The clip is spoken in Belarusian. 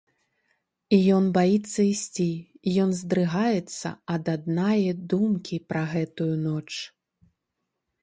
Ён баіцца ісці, ён здрыгаецца ад аднае думкі пра гэтую ноч.